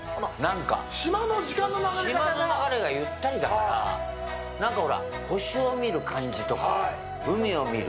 島の流れがゆったりだから、何かほら、星を見る感じとか、海を見る。